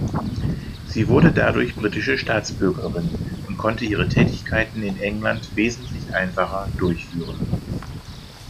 Sie wurde dadurch britische Staatsbürgerin und konnte ihre Tätigkeiten in England wesentlich einfacher durchführen.